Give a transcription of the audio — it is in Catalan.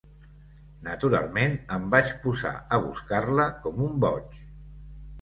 Naturalment, em vaig posar a buscar-la com un boig.